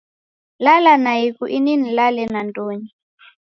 Lala naighu ini nilale nandonyi